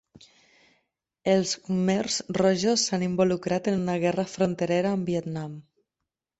Els khmers rojos s'han involucrat en una guerra fronterera amb Vietnam.